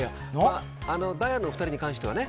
ダイアンのお２人に関してはね